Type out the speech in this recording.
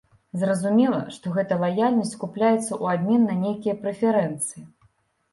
Зразумела, што гэта лаяльнасць купляецца ў абмен на нейкія прэферэнцыі.